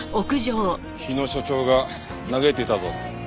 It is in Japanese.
日野所長が嘆いていたぞ。